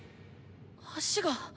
足が。